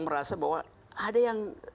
merasa bahwa ada yang